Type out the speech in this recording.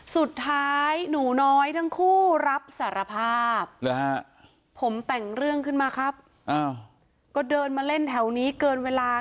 สุดท้ายหนูน้อยทั้งคู่รับสารภาพผมแต่งเรื่องขึ้นมาครับก็เดินมาเล่นแถวนี้เกินเวลา